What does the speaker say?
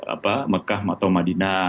apa mekah atau madinah